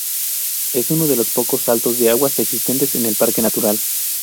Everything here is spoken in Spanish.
Es uno de los pocos saltos de aguas existentes en el parque natural.